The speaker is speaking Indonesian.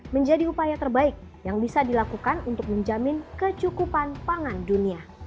menjadi upaya terbaik yang bisa dilakukan untuk menjamin kecukupan pangan dunia